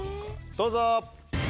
どうぞ。